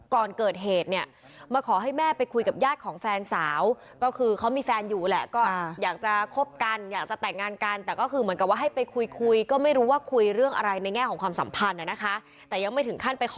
ก่อนเกิดเหตุเนี่ยมาขอให้แม่ไปคุยกับญาติของแฟนสาวก็คือเขามีแฟนอยู่แหละก็อยากจะคบกันอยากจะแต่งงานกันแต่ก็คือเหมือนกับว่าให้ไปคุยคุยก็ไม่รู้ว่าคุยเรื่องอะไรในแง่ของความสัมพันธ์นะคะแต่ยังไม่ถึงขั้นไปขอ